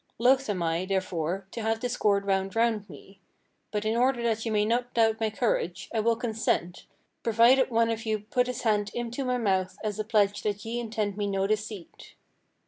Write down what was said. Loath am I, therefore, to have this cord wound round me; but in order that ye may not doubt my courage, I will consent, provided one of you put his hand into my mouth as a pledge that ye intend me no deceit.'